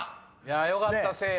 よかったせいや。